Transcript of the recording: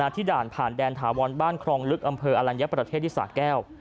ที่ด่านผ่านแดนถาวรบ้านครองลึกอำเภออลัญญประเทศที่สาแก้ว